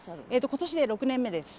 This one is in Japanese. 今年で６年目です。